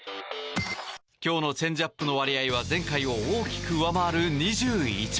今日のチェンジアップの割合は前回を大きく上回る２１％。